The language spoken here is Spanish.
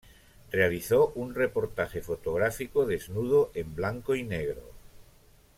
Realizó un reportaje fotográfico desnudo en blanco y negro.